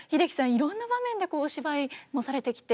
いろんな場面でお芝居もされてきて。